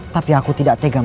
tapi aku tidak tegas